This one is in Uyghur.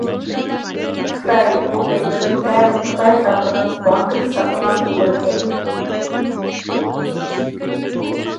خىتاي بۇ قېتىم دەل خىتاي خەلقىنىڭ بانكىدا ساقلىغان پۇللىرىغا ھەمتاۋاق بولماقچى.